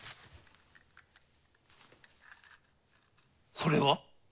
これは？